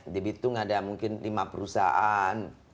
di bitung ada mungkin lima perusahaan